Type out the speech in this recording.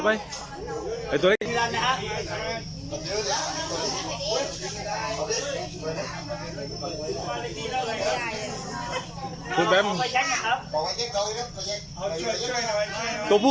สวัสดีครับคุณแฟม